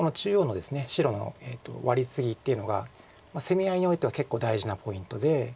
白のワリツギっていうのが攻め合いにおいては結構大事なポイントで。